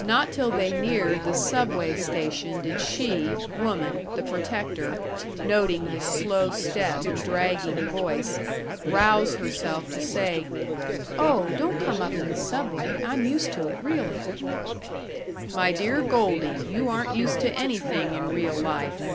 Not till they neared the Subway station did she, woman, the protector, noting his slow step and dragging voice, rouse herself to say, "Oh, don't come up in the Subway; I'm used to it, really!" "My dear Goldie, you aren't used to anything in real life.